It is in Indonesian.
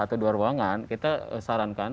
atau di luar ruangan kita sarankan